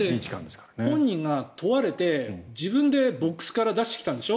本人が問われて自分でボックスから出してきたんでしょ？